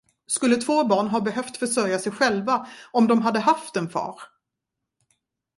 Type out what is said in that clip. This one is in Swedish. Skulle två barn ha behövt försörja sig själva om de hade haft en far?